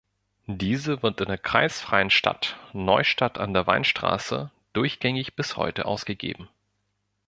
Diese wird in der kreisfreien Stadt Neustadt an der Weinstraße durchgängig bis heute ausgegeben.